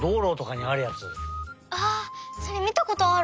それみたことある。